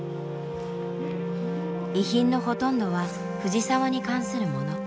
遺品のほとんどは藤澤に関するもの。